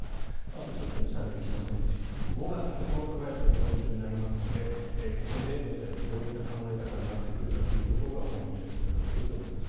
あと最後までいけませんでしたが５月９日がポイントになりますのでここでロシアがどういった考え方になってくるかというところが今後、注目になってくると思います。